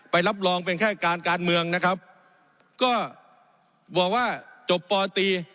รับรองเป็นแค่การการเมืองนะครับก็บอกว่าจบปตี